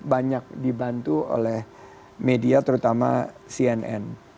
banyak dibantu oleh media terutama cnn